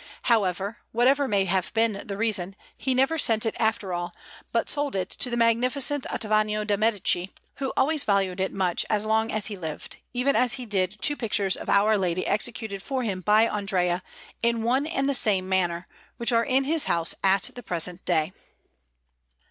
However, whatever may have been the reason, he never sent it after all, but sold it to the Magnificent Ottaviano de' Medici, who always valued it much as long as he lived, even as he did two pictures of Our Lady executed for him by Andrea in one and the same manner, which are in his house at the present day.